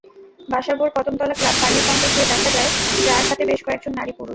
বাসাবোর Kadamtala club পানির পাম্পে গিয়ে দেখা যায় জার হাতে বেশ কয়েকজন নারী-পুরুষ।